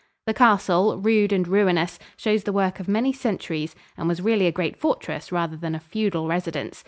The castle, rude and ruinous, shows the work of many centuries, and was really a great fortress rather than a feudal residence.